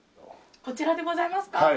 こちらでございますか！？